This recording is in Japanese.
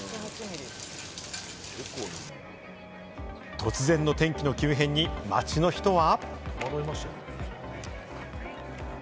突然の天気の急変に街の人は。